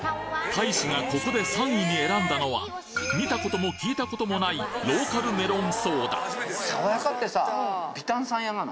大使がここで３位に選んだのは見たことも聞いたこともないローカルメロンソーダそう。